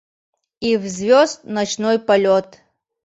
И в звёзд ночной полёт